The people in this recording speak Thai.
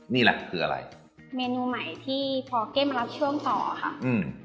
นี่แหละคืออะไรเมนูใหม่ที่พอเก้มารับช่วงต่อค่ะอืม